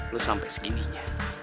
lo sampe segininya